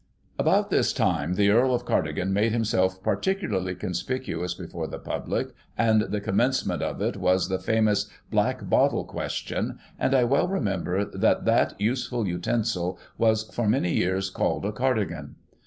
About this time the Earl of Cardigan made himself particu larly conspicuous before the pubhc, and the commencement of it was the famous " black bottle " question, and I well re member that that useful utensil was, for many years, called a "Cardigan."